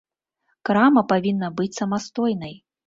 Крама павінна быць самастойнай.